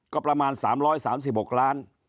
ก็ประมาณ๓๓๖ล้าน